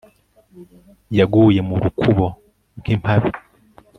yaguye mu rukubo nk'impabe